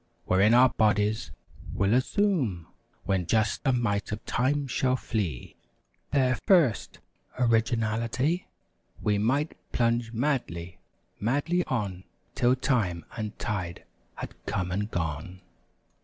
Wherein our bodies will assume. When just a mite of time shall flee, 195 Their first orginality, We might plunge madly, madly on 'Till time and tide had come and gone.